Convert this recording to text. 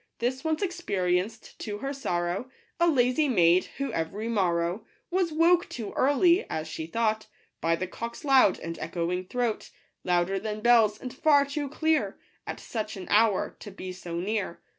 This once experienced, to her sorrow, A lazy maid, who every morrow Was woke too early, as she thought, By the cock's loud and echoing throat ; Louder than bells, and far too clear, At such an hour, to be so near.